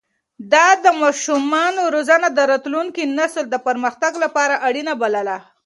ده د ماشومانو روزنه د راتلونکي نسل د پرمختګ لپاره اړينه بلله.